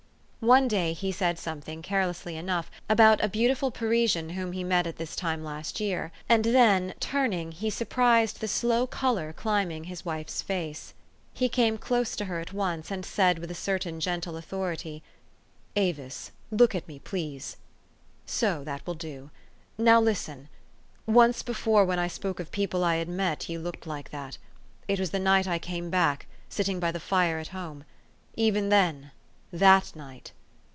One day he said something, carelessly enough, about a beautiful Parisian whom he met at this time last year ; and then, turning, he surprised the slow color climbing his wife's face. He came close to her at once, and said with a certain gentle authority, "Avis, look at me, please. So; that will do. Now listen. Once before, when I spoke of people I had met, you looked like that. It was the night I came back, sitting by the fire at home ; even then, that night.